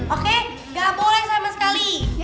oke nggak boleh sama sekali